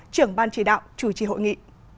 trưởng ban chỉ đạo chủ trì hội nghị